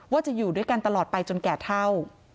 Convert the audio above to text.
ว่าจะอยู่ด้วยกันตลอดไปจนแก่เท่า